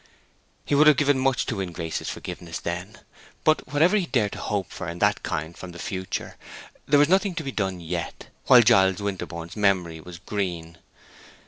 He would have given much to win Grace's forgiveness then. But whatever he dared hope for in that kind from the future, there was nothing to be done yet, while Giles Winterborne's memory was green.